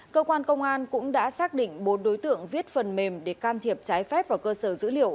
cơ quan công an cũng đã xác định bốn đối tượng viết phần mềm để can thiệp trái phép vào cơ sở dữ liệu